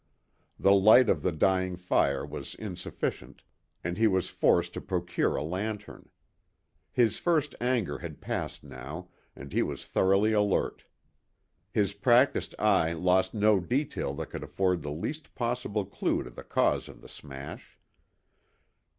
The light of the dying fire was insufficient, and he was forced to procure a lantern. His first anger had passed now, and he was thoroughly alert. His practiced eye lost no detail that could afford the least possible clue to the cause of the smash.